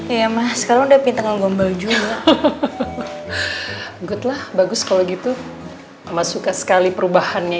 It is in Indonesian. ya mas kalau udah pinter ngomel juga goodlah bagus kalau gitu mas suka sekali perubahannya